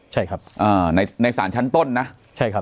ใช่ครับอ่าในในสารชั้นต้นนะใช่ครับ